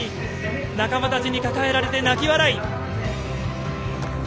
仲間たちに抱えられて泣き笑い！